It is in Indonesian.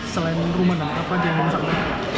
selain rumah apa saja yang terjadi